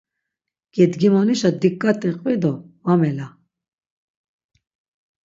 Gedgimonişa dik̆k̆ati qvi do va mela.